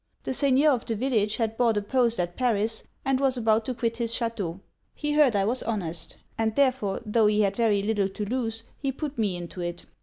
The seigneur of the village had bought a post at Paris, and was about to quit his chateau. He heard I was honest; and therefore, tho' he had very little to lose, he put me into it.